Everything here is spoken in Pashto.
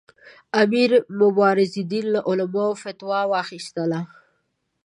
امیر مبارزالدین له علماوو فتوا واخیستله.